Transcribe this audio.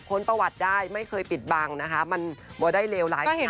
ค้นประวัติได้ไม่เคยปิดบังนะคะมันไม่ได้เลวร้ายขนาดนั้นหรอก